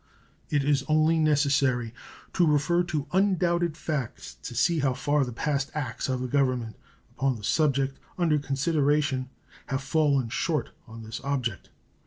It is only necessary to refer to undoubted facts to see how far the past acts of the Government upon the subject under consideration have fallen short of this object.